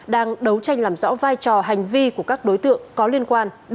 đang đấu tranh làm rõ vai trò hành vi của các đối tượng có liên quan để xử lý